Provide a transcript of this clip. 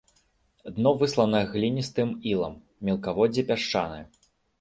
Дно выслана гліністым ілам, мелкаводдзе пясчанае.